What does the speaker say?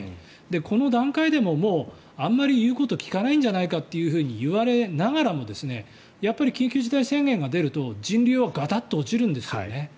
この段階でもあまり言うことを聞かないんじゃないかといわれながらもやっぱり緊急事態宣言が出ると人流はガタッと落ちるんですよね。